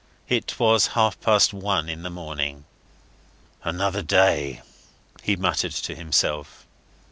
It was half past one in the morning. "Another day," he muttered to himself.